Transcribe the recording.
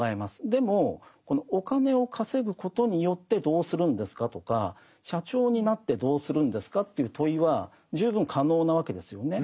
でもお金を稼ぐことによってどうするんですか？とか社長になってどうするんですか？という問いは十分可能なわけですよね。